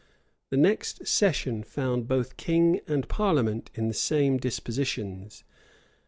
The next session found both king and parliament in the same dispositions.